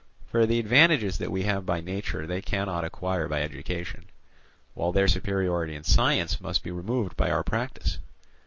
For the advantages that we have by nature they cannot acquire by education; while their superiority in science must be removed by our practice.